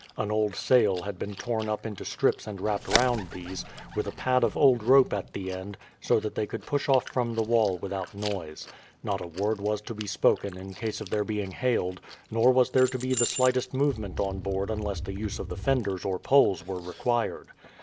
An old sail had been torn up into strips and wrapped round these, with a pad of old rope at the end, so that they could push off from the wall without noise. Not a word was to be spoken in case of their being hailed, nor was there to be the slightest movement on board unless the use of the fenders or poles were required.